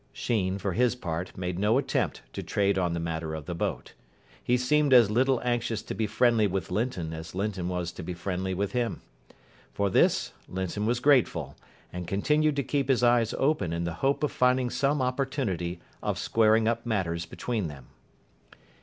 Sheen, for his part, made no attempt to trade on the matter of the boat. He seemed as little anxious to be friendly with Linton as Linton was to be friendly with him. For this Linton was grateful, and continued to keep his eyes open in the hope of finding some opportunity of squaring up matters between them.